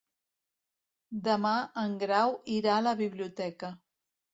Demà en Grau irà a la biblioteca.